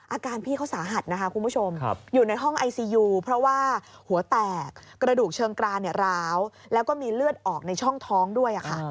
อาการพี่เขาสาหัสนะคะคุณผู้ชมอยู่ในห้องไอซียูเพราะว่าหัวแตกกระดูกเชิงกรานร้าวแล้วก็มีเลือดออกในช่องท้องด้วยค่ะ